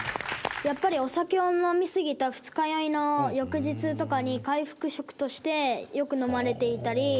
やっぱりお酒を飲みすぎた二日酔いの翌日とかに回復食としてよく飲まれていたり。